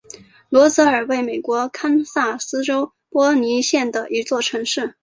罗泽尔为美国堪萨斯州波尼县的一座城市。